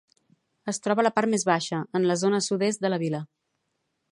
Es troba a la part més baixa, en la zona sud-est de la vila.